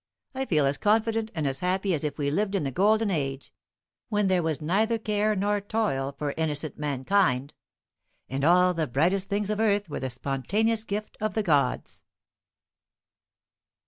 I feel as confident and as happy as if we lived in the golden age, when there was neither care nor toil for innocent mankind, and all the brightest things of earth were the spontaneous gift of the gods."